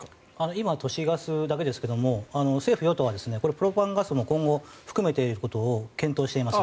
今、都市ガスだけですが政府・与党はプロパンガスも今後含めていくことを検討しています。